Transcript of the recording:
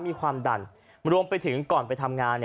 มีความดันรวมไปถึงก่อนไปทำงาน